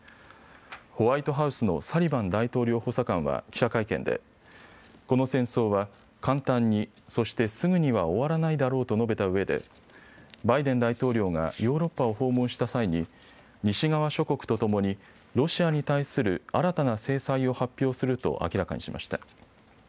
ホワイトハウスのサリバン大統領補佐官は記者会見で、この戦争は簡単に、そしてすぐには終わらないだろうと述べたうえでバイデン大統領がヨーロッパを訪問した際に西側諸国とともにロシアに対する新たな制裁を発表すると明らかにしました。